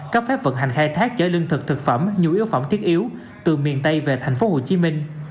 cấp phép vận hành khai thác chở lương thực thực phẩm nhu yếu phẩm thiết yếu từ miền tây về thành phố hồ chí minh